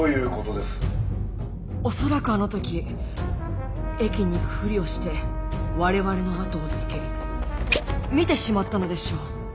恐らくあの時駅に行くふりをして我々のあとをつけ見てしまったのでしょう。